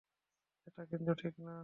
এটা কিন্তু ঠিক না।